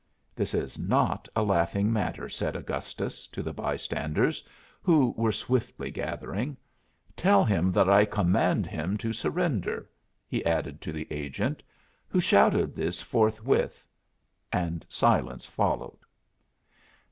"This is not a laughing matter," said Augustus to the by standers, who were swiftly gathering. "Tell him that I command him to surrender," he added to the agent, who shouted this forthwith; and silence followed.